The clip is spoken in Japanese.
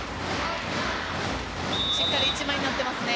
しっかり１枚になっていますね。